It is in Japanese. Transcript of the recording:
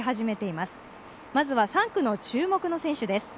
まずは３区の注目の選手です。